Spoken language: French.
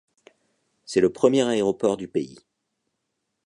C'est le premier aéroport du pays.